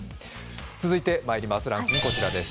続いて、ランキングはこちらです。